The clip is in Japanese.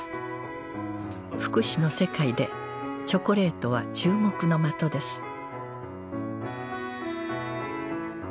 福祉の世界でチョコレートは注目の的です